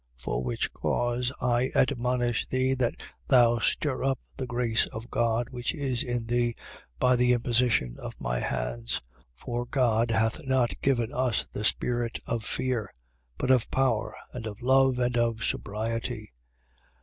1:6. For which cause I admonish thee that thou stir up the grace of God which is in thee by the imposition of my hands. 1:7. For God hath not given us the spirit of fear: but of power and of love and of sobriety.